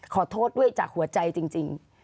ขอโทษด้วยจากหัวใจจริง